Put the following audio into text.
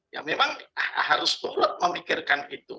ya memang harus turut memikirkan itu